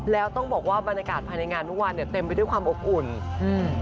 แล้วต้องบอกว่าบรรยากาศภายในงานทุกวันเนี้ยเต็มไปด้วยความอบอุ่นอืม